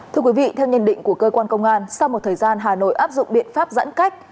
thưa quý vị theo nhận định của cơ quan công an sau một thời gian hà nội áp dụng biện pháp giãn cách